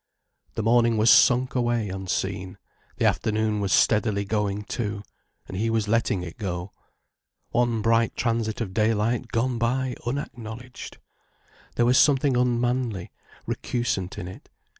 The morning was sunk away unseen, the afternoon was steadily going too, and he was letting it go. One bright transit of daylight gone by unacknowledged! There was something unmanly, recusant in it.